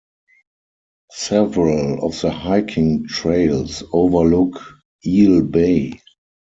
Several of the hiking trails overlook Eel Bay.